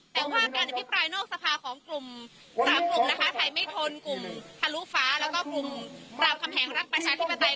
แต่ว่าการอภิปรายนอกสภาของกลุ่ม๓กลุ่มนะคะไทยไม่ทนกลุ่มทะลุฟ้าแล้วก็กลุ่มรามคำแหงรักประชาธิปไตย